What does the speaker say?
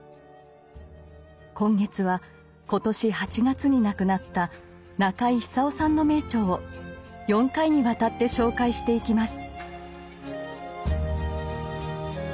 今月は今年８月に亡くなった中井久夫さんの名著を４回にわたって紹介していきます。